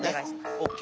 ＯＫ